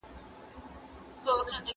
د ښوونځي مخې ته ګڼ خلک ولاړ وو.